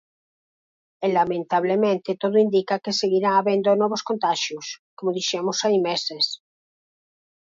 E lamentablemente todo indica que seguirá habendo novos contaxios, como dixemos hai meses.